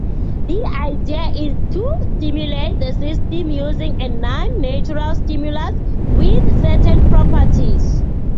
The idea is to stimulate the system using a non-natural stimulus with certain properties.